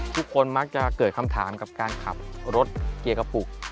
ทุกคนมักจะเกิดคำถามกับการขับรถเกียร์กระปุก